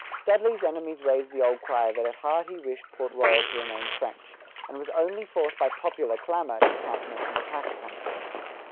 Dudley's enemies raised the old cry that at heart he wished Port Royal to remain French, and was only forced by popular clamor to countenance an attack upon it.